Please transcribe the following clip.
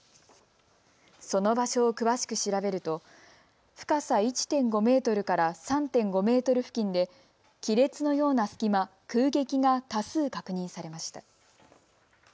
その場所を詳しく調べると深さ１．５メートルから３．５メートル付近で亀裂のような隙間、空隙が多数確認されました。